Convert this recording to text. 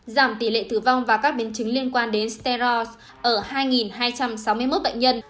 giảm tỷ lệ tử vong và các biến chứng liên quan đến styre ở hai hai trăm sáu mươi một bệnh nhân